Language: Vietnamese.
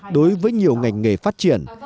đối với nhiều ngành nghề phát triển